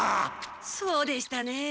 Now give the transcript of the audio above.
そうでしたね。